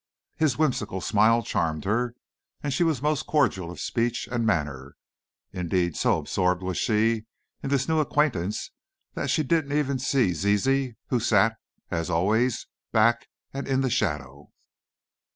His whimsical smile charmed her, and she was most cordial of speech and manner. Indeed, so absorbed was she in this new acquaintance that she didn't even see Zizi, who sat, as always, back and in the shadow.